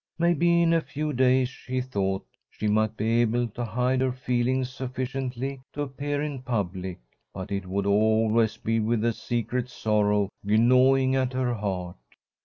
Maybe in a few days, she thought, she might be able to hide her feelings sufficiently to appear in public, but it would always be with a secret sorrow gnawing at her heart.